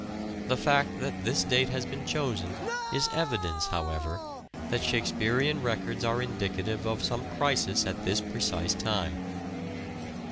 The fact that this date has been chosen is evidence, however, that Shakespearean records are indicative of some crisis at this precise time.